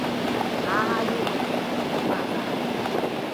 下下要搵營地好麻煩